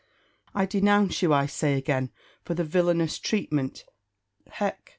I denounce you, I say again, for the villainous treatment (hech!)